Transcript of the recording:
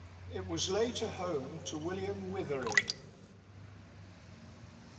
It was later home to William Withering.